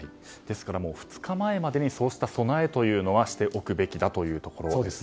２日前までにそうした備えというのはしておくべきだというところと。